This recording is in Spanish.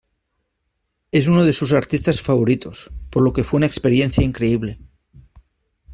Es uno de sus artistas favoritos, por lo que fue una experiencia increíble".